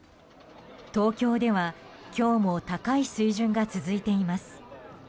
東京では今日も高い水準が続いています。